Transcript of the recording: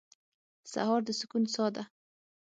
سهار د سکون ساه ده.